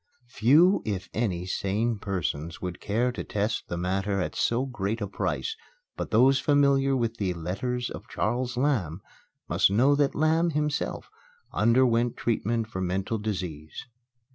Few, if any, sane persons would care to test the matter at so great a price; but those familiar with the "Letters of Charles Lamb" must know that Lamb, himself, underwent treatment for mental disease.